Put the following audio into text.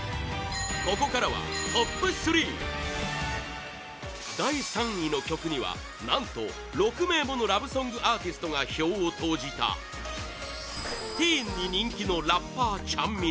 ここからは、トップ３第３位の曲には、何と６名ものラブソングアーティストが票を投じたティーンに人気のラッパーちゃん